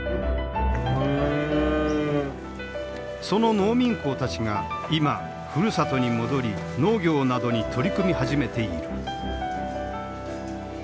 その農民工たちが今ふるさとに戻り農業などに取り組み始めている。